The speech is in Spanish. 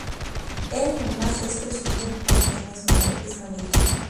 Él nomás es presumido porque no es malo, es maleta.